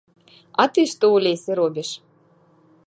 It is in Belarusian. А ты што ў лесе робіш?